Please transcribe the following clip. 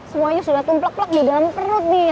semuanya sudah tumpelok tumpelok di dalam perut nih